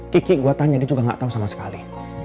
kiki gue tanya dia juga gak tau sama sekali